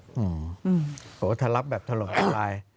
โอ้โหถ้ารับแบบถล่มทลาย